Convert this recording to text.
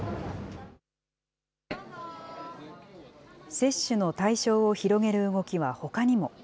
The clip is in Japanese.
接種の対象を広げる動きはほかにも。